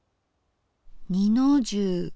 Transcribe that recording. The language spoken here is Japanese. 二の重。